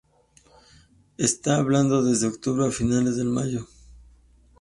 Está helado desde octubre a finales de mayo.